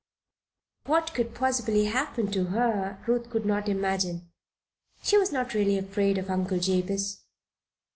What could possibly happen to her, Ruth could not imagine. She was not really afraid of Uncle Jabez.